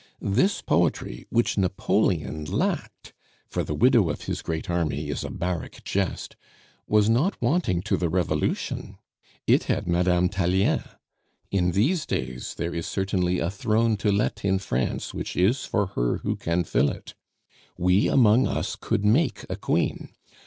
This poetry, which Napoleon lacked for the Widow of his Great Army is a barrack jest, was not wanting to the Revolution; it had Madame Tallien! In these days there is certainly a throne to let in France which is for her who can fill it. We among us could make a queen.